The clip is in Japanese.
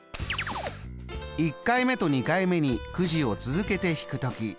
１回目と２回目にくじを続けて引くとき